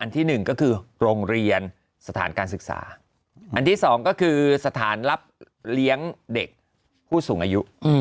อันที่หนึ่งก็คือโรงเรียนสถานการศึกษาอันที่สองก็คือสถานรับเลี้ยงเด็กผู้สูงอายุ